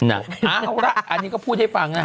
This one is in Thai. อ้าวละอันนี้ก็พูดให้ฟัง